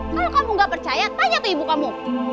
kalau kamu gak percaya tanya ke ibu kamu